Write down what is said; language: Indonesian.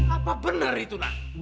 apa benar itu nak